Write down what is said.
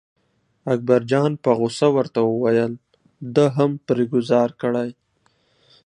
اکبرجان په غوسه ورته وویل ده هم پرې ګوزار کړی.